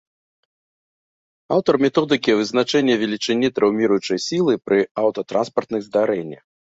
Аўтар методыкі вызначэння велічыні траўміруючай сілы пры аўтатранспартных здарэннях.